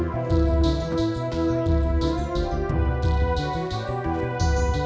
boleh gua dong